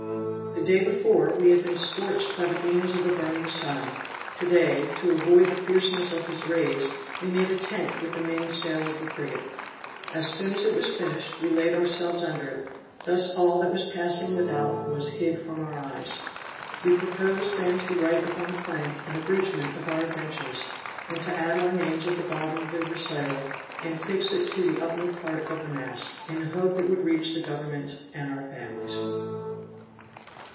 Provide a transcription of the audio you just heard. The day before, we had been scorched by the beams of a burning sun: to day, to avoid the fierceness of his rays, we made a tent with the main sail of the frigate. As soon as it was finished, we laid ourselves under it; thus all that was passing without was hid from our eyes. We proposed then to write upon a plank an abridgement of our adventures, and to add our names at the bottom of the recital, and fix it to the upper part of the mast, in the hope it would reach the government and our families.